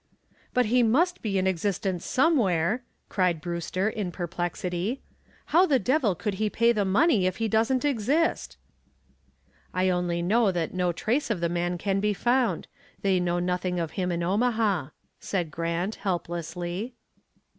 "But he must be in existence somewhere," cried Brewster, in perplexity. "How the devil could he pay the money if he doesn't exist?" "I only know that no trace of the man can be found. They know nothing of him in Omaha," said Grant, helplessly.